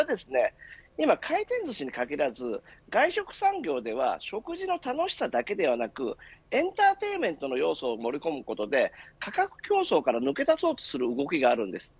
今、回転ずしに限らず外食産業では食事の楽しさだけではなくエンターテインメントの要素を盛り込むことで価格競争から抜け出そうとする動きがあるんです。